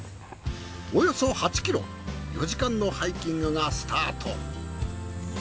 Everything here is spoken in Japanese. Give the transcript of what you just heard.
およそ８キロ４時間のハイキングがスタート。